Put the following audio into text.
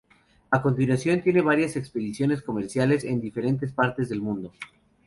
A continuación tiene varias expediciones comerciales en diferentes partes del mundo.